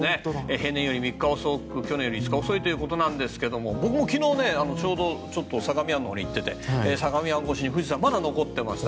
平年より３日遅く去年より５日遅いということですが僕も昨日、ちょうど相模湾のほうに行っていて相模湾越しに富士山、まだ残っていました。